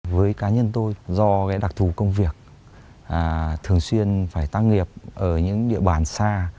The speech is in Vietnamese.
với cá nhân tôi do đặc thù công việc thường xuyên phải tác nghiệp ở những địa bàn xa